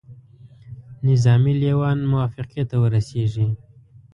نظامي لېوان موافقې ته ورسیږي.